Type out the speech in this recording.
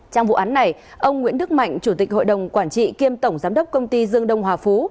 trong vụ án này ông nguyễn đức mạnh chủ tịch hội đồng quản trị kiêm tổng giám đốc công ty dương đông hòa phú